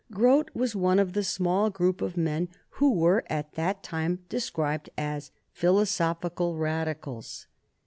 Grote was one of the small group of men who were, at that time, described as the philosophical Radicals.